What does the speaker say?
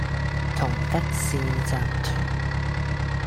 同得仕（集團）